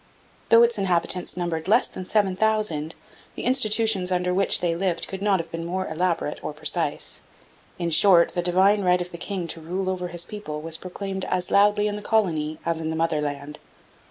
] Though its inhabitants numbered less than seven thousand, the institutions under which they lived could not have been more elaborate or precise. In short, the divine right of the king to rule over his people was proclaimed as loudly in the colony as in the motherland.